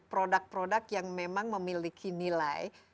produk produk yang memang memiliki nilai